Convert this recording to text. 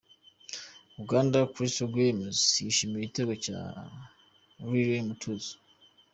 Uganda Crested Cranes bishimira igitego cya Lilian Mtuuzo